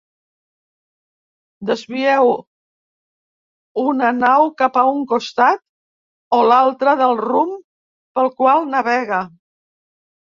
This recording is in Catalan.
Desvieu una nau cap a un costat o l'altre del rumb pel qual navega.